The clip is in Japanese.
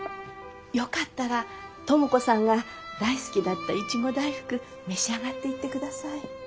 よかったら知子さんが大好きだったイチゴ大福召し上がっていってください。